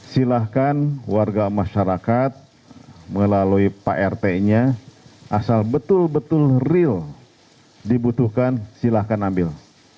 silahkan warga masyarakat melalui pak rt nya asal betul betul real dibutuhkan silahkan ambil